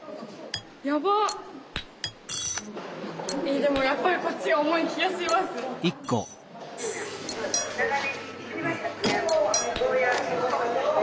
えっでもやっぱりこっちが重い気がします。